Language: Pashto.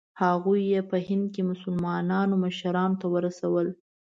هغوی یې په هند کې مسلمانانو مشرانو ته ورسول.